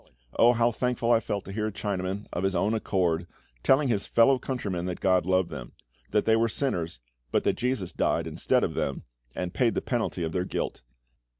Oh, how thankful I felt to hear a Chinaman, of his own accord, telling his fellow countrymen that GOD loved them; that they were sinners, but that JESUS died instead of them, and paid the penalty of their guilt.